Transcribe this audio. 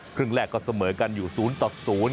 เครื่องแรกก็เสมอกันอยู่ศูนย์ตัดศูนย์